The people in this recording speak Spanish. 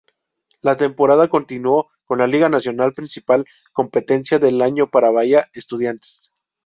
La temporada continúo con la Liga Nacional, principal competencia del año para Bahía Estudiantes.